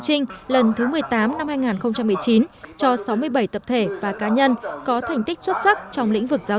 trình lần thứ một mươi tám năm hai nghìn một mươi chín cho sáu mươi bảy tập thể và cá nhân có thành tích xuất sắc trong lĩnh vực giáo